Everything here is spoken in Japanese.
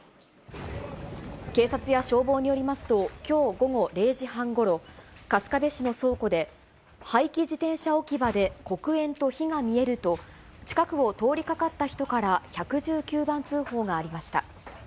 警察や消防によりますと、きょう午後０時半ごろ、春日部市の倉庫で、廃棄自転車置き場で、黒煙と火が見えると、近くを通りかかった人から１１９番通報がありました。